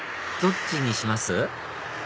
どっちにします？